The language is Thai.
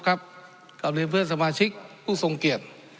ครับกรีมเตียงเพื่อนสมาชิกผู้ทรงเกียรติ